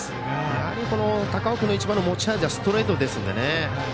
やはり、高尾君の一番の持ち味はストレートなので。